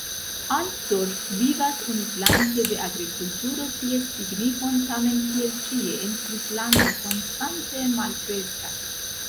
Altdorf vivas unuflanke de agrikulturo, kies signifon tamen kiel ĉie en Svislando konstante malkreskas.